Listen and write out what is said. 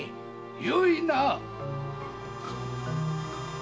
よいな。